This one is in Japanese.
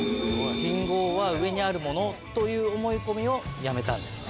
信号は上にあるものという思い込みをやめたんですね。